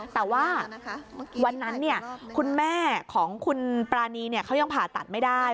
แต่ว่าวันนั้นคุณแม่ของคุณปรานีเขายังผ่าตัดไม่ได้